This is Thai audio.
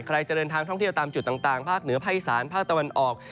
ใครจะเดินทางท่องเที่ยวตามจุดต่างภาคเหนือภาคอีสานภาคตะวันออก